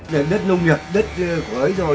đấy là đất nông nghiệp đất của ấy rồi